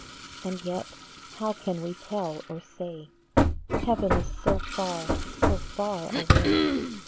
And yet, how can we tell or say? Heaven is so far, so far away